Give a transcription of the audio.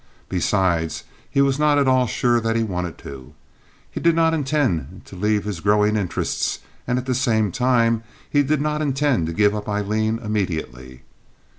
Besides, he was not at all sure that he wanted to. He did not intend to leave his growing interests, and at the same time he did not intend to give up Aileen immediately.